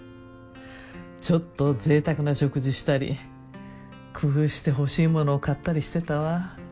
ちょっとぜいたくな食事したり工夫して欲しい物を買ったりしてたわ。